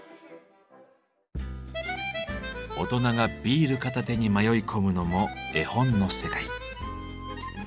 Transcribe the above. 大人がビール片手に迷い込むのも絵本の世界。